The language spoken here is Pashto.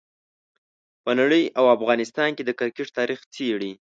په نړۍ او افغانستان کې د کرکټ تاریخ څېړي.